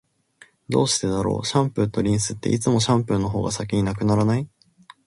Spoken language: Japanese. どうしてだろう、シャンプーとリンスって、いつもシャンプーの方が先に無くならない？